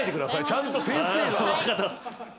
ちゃんと先生が。